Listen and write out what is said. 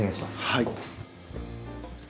はい。